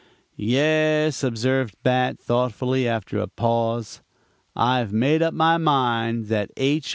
"Yes," observed Bat, thoughtfully, after a pause, "I've made up my mind that H.